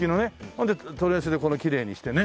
ほんでトレスできれいにしてね。